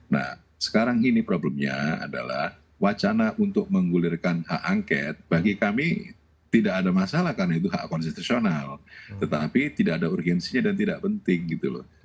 nah sekarang ini problemnya adalah wacana untuk menggulirkan hak angket bagi kami tidak ada masalah karena itu hak konstitusional tetapi tidak ada urgensinya dan tidak penting gitu loh